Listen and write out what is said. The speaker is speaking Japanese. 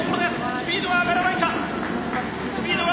スピードは上がらないか。